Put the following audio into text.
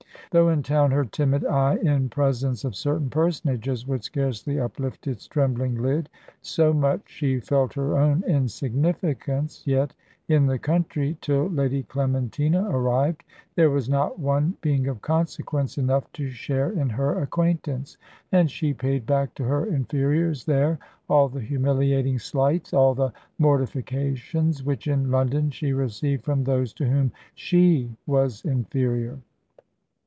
Though in town her timid eye in presence of certain personages would scarcely uplift its trembling lid, so much she felt her own insignificance, yet, in the country, till Lady Clementina arrived, there was not one being of consequence enough to share in her acquaintance; and she paid back to her inferiors there all the humiliating slights, all the mortifications, which in London she received from those to whom she was inferior.